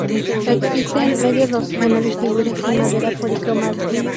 Existen media docena de figuras en madera policromada.